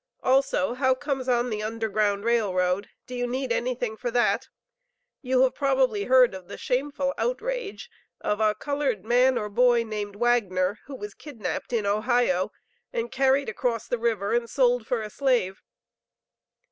Also how comes on the Underground Rail Road? Do you need anything for that? You have probably heard of the shameful outrage of a colored man or boy named Wagner, who was kidnapped in Ohio and carried across the river and sold for a slave....